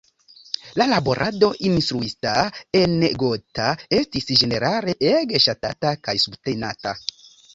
La laborado instruista en Gotha estis ĝenerale ege ŝatata kaj subtenata.